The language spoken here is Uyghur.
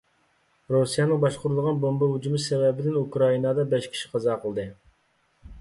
رۇسىيەنىڭ باشقۇرۇلىدىغان بومبا ھۇجۇمى سەۋەبىدىن ئۇكرائىنادا بەش كىشى قازا قىلدى.